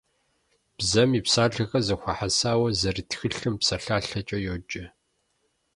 Бзэм и псалъэхэр зэхуэхьэсауэ зэрыт тхылъым псалъалъэкӏэ йоджэ.